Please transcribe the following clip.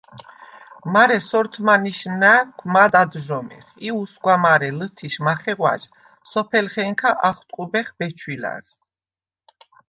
მარე სორთმანიშ ნა̈ქვ მად ადჟომეხ ი უსგვა მარე ლჷთიშ მახეღვა̈ჟ სოფელხენქა ახტყუბეხ ბეჩვილა̈რს.